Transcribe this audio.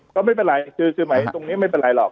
ก็ไม่เป็นไรคือสมัยตรงนี้ไม่เป็นไรหรอก